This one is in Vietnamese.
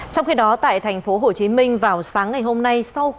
trong khi đó tại tp hcm vào sáng ngày hôm nay